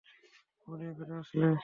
উনি এখানে আসলে?